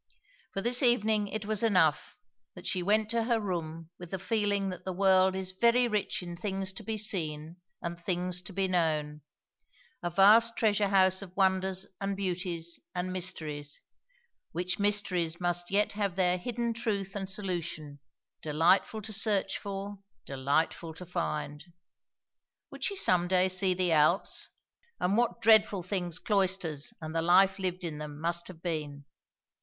For this evening it was enough, that she went to her room with the feeling that the world is very rich in things to be seen and things to be known; a vast treasure house of wonders and beauties and mysteries; which mysteries must yet have their hidden truth and solution, delightful to search for, delightful to find. Would she some day see the Alps? and what dreadful things cloisters and the life lived in them must have been!